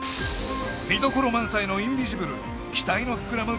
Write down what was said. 見どころ満載の「インビジブル」期待の膨らむ